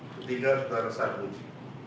ketiga saudara sambuci